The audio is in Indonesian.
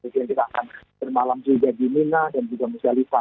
mungkin kita akan bermalam juga di mina dan juga musdalifah